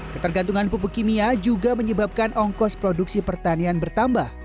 ketergantungan pupuk kimia juga menyebabkan ongkos produksi pertanian bertambah